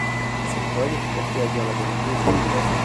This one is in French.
Cet homme, porté à dire la vérité, me plait.